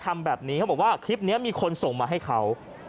ทำแบบนี้เขาบอกว่าคลิปนี้มีคนส่งมาให้เขา